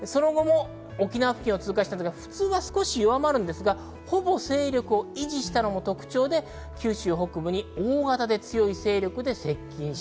沖縄付近を通過して、普通は弱まるんですが、ほぼ勢力を維持したのが特徴で、九州北部に大型で強い勢力で接近。